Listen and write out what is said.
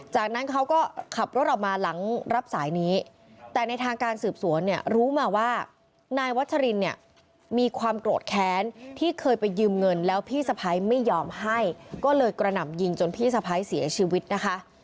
จากนั้นเขาก็ขับรถออกมาหลังรับสายนี้แต่ในทางการสืบสวนเนี่ยรู้มาว่านายวัชรินเนี่ยมีความโกรธแค้นที่เคยไปยืมเงินแล้วพี่สะพ้ายไม่ยอมให้ก็เลยกระหน่ำยิงจนพี่สะพ้ายเสียชีวิตนะคะ